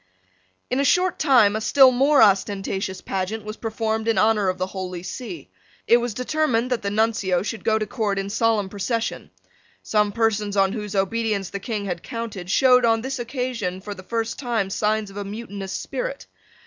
In a short time a still more ostentatious pageant was performed in honour of the Holy See. It was determined that the Nuncio should go to court in solemn procession. Some persons on whose obedience the King had counted showed, on this occasion, for the first time, signs of a mutinous spirit.